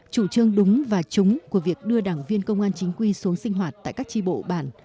chủ trương đúng và trúng của việc đưa đảng viên công an chính quy xuống sinh hoạt tại các tri bộ bản